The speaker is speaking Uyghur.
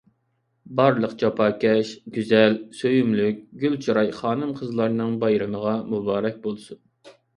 بارلىق جاپاكەش، گۈزەل، سۆيۈملۈك، گۈل چىراي خانىم-قىزلارنىڭ بايرىمىغا مۇبارەك بولسۇن.